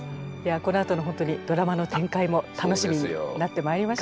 このあとのドラマの展開も楽しみになってまいりました。